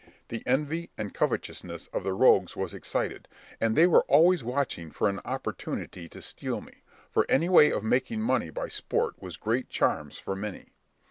The envy and covetousness of the rogues was excited, and they were always watching for an opportunity to steal me, for any way of making money by sport has great charms for many.